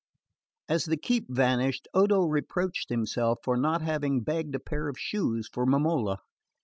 As the keep vanished Odo reproached himself for not having begged a pair of shoes for Momola.